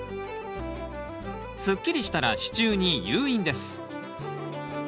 すっきりしたら支柱に誘引です。